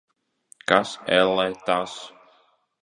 Kas, ellē, tas?